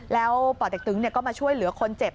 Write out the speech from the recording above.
แล้วป่อเต็กตึงก็มาช่วยเหลือคนเจ็บ